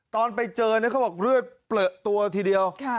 ตอนไปเจอเขาบอกเลือดเปลือตัวทีเดียว